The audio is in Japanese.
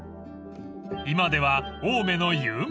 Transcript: ［今では青梅の有名人］